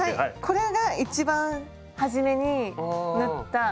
これがいちばん初めに縫った。